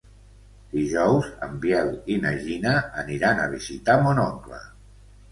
Dijous en Biel i na Gina aniran a visitar mon oncle.